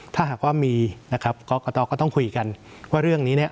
ถ้าหากว่ามีกรกตก็ต้องคุยกันว่าเรื่องนี้